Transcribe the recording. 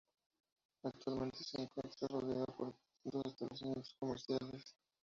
Actualmente se encuentra rodeada por distintos establecimientos comerciales.